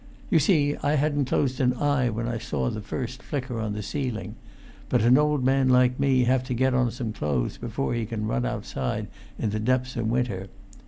You see, I hadn't closed an eye when I saw the first flicker on the ceiling; but an old man like me have to get on some clothes before he can run outside in the depths o' winter.